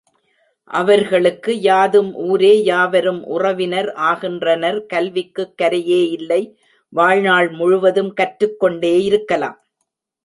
அவர்களுக்கு யாதும் ஊரே யாவரும் உறவினர் ஆகின்றனர் கல்விக்குக் கரையே இல்லை வாழ்நாள் முழுவதும் கற்றுக்கொண்டே இருக்கலாம்.